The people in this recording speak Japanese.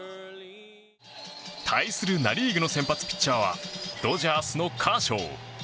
対するナ・リーグの先発ピッチャーはドジャースのカーショー。